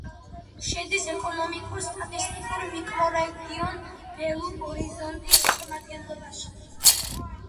შედის ეკონომიკურ-სტატისტიკურ მიკრორეგიონ ბელუ-ორიზონტის შემადგენლობაში.